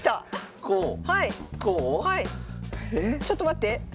ちょっと待って。